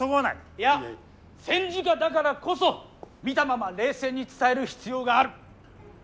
いや戦時下だからこそ見たまま冷静に伝える必要がある。